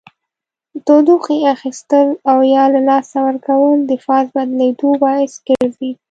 د تودوخې اخیستل او یا له لاسه ورکول د فاز بدلیدو باعث ګرځي.